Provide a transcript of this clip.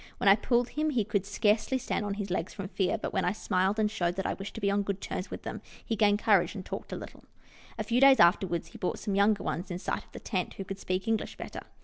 When I pulled him, he could scarcely stand on his legs from fear ; but when I smiled, and showed that I wished to be on good terms with them, he gained courage and talked a little. A few days afterwards he brought some younger ones in sight of the tent, who could speak English better.